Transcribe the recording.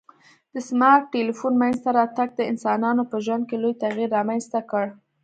د سمارټ ټلیفون منځته راتګ د انسانانو په ژوند کي لوی تغیر رامنځته کړ